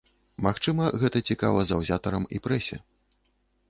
Магчыма, гэта цікава заўзятарам і прэсе.